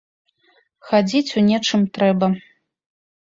Хадзіць у нечым трэба.